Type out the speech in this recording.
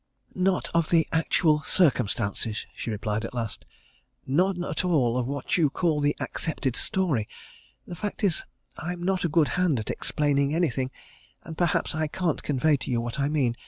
"Not of the actual circumstances," she replied at last, "none at all of what you call the accepted story. The fact is, I'm not a good hand at explaining anything, and perhaps I can't convey to you what I mean.